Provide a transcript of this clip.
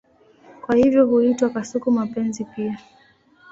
Kwa hivyo huitwa kasuku-mapenzi pia.